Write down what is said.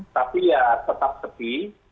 tapi ya tetap sepi